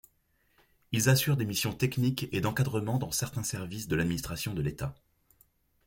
Ils assurent des missions techniques et d'encadrement dans certains services de l'administration de l’État.